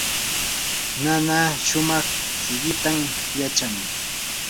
nana shumaq siqitam yachan.